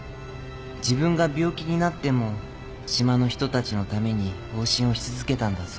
自分が病気になっても島の人たちのために往診をし続けたんだそうだよ。